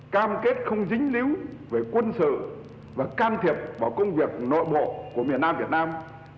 cảm kết không dính líu với quân sự và can thiệp vào công việc nội bộ của việt nam